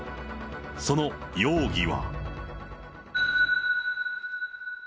その容疑は。